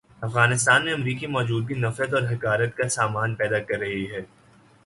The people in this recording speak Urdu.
افغانستان میں امریکی موجودگی نفرت اور حقارت کا سامان پیدا کر رہی ہے۔